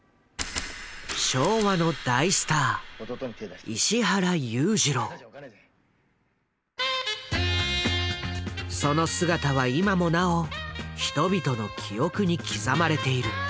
昭和の大スターその姿は今もなお人々の記憶に刻まれている。